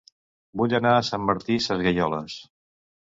Vull anar a Sant Martí Sesgueioles